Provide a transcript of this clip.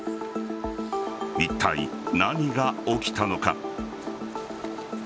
いったい、何が起きたのか。